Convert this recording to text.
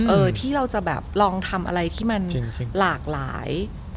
ที่เราจะแบบลองทำอะไรที่มันหลากหลาย